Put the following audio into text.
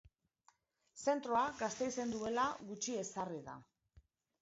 Zentroa Gasteizen duela gutxi ezarri da.